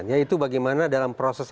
ya itu bagaimana dalam proses